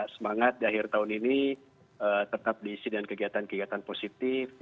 semangat di akhir tahun ini tetap diisi dengan kegiatan kegiatan positif